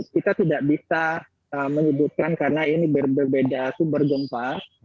kita tidak bisa menyebutkan karena ini berbeda sumber gempa